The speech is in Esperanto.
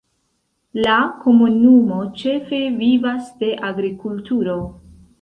La komunumo ĉefe vivas de agrikulturo.